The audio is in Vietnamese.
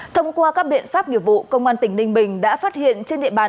thông qua các biện pháp nghiệp vụ công an tỉnh ninh bình đã phát hiện trên địa bàn